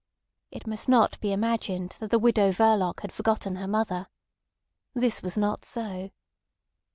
It must not be imagined that the Widow Verloc had forgotten her mother. This was not so.